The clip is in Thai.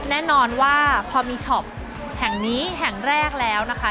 แน่นอนว่าพอมีช็อปแห่งนี้แห่งแรกแล้วนะคะ